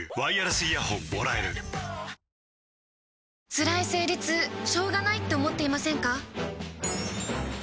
つらい生理痛しょうがないって思っていませんか？